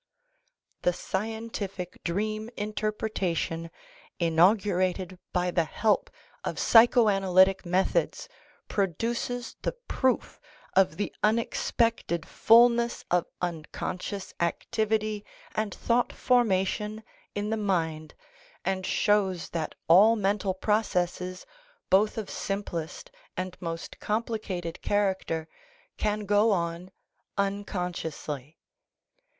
The scientific dream interpretation inaugu rated by the help of psycho analytic methods produces the proof of the unexpected fulness of unconscious activity and thought formation in the mind and shows that all mental processes both of simplest and most complicated character can go on uncon sciously.